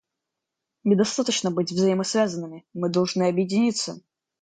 Недостаточно быть взаимосвязанными; мы должны объединиться.